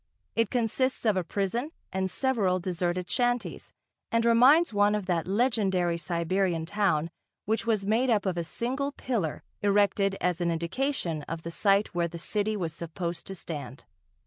It consists of a prison and several deserted shanties, and reminds one of that legendary Siberian town, which was made up of a single pillar erected as an indication of the site where the city was supposed to stand.